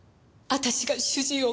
私が主人を。